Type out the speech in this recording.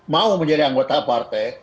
mau menjadi anggota partai